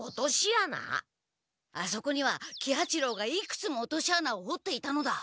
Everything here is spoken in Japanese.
あそこには喜八郎がいくつも落とし穴をほっていたのだ。